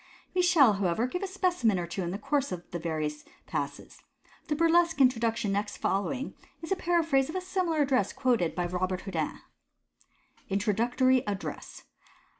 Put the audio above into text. We shall, however, give a specimen or two in the course of the various Passes. The burlesque introduc tion next following is a paraphrase of a similar address quoted by Robert Houdin :— Introductory Address.